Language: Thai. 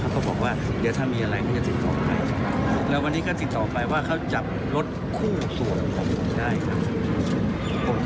เขาบอกว่าเดี๋ยวถ้ามีอะไรก็จะติดต่อให้แล้ววันนี้ก็ติดต่อไปว่าเขาจับรถคู่ส่วนของผมได้ครับ